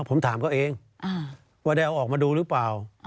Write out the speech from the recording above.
ผมถามเขาเองว่าได้เอาออกมาดูหรือเปล่า